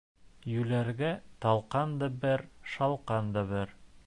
Йүләргә талҡан да бер, шалҡан да бер.